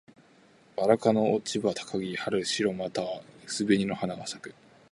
ばら科の落葉高木。春、白または薄紅の花が咲く。